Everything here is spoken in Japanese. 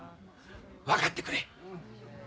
分かってくれ。